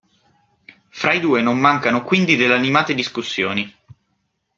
Fra i due non mancano quindi delle animate discussioni.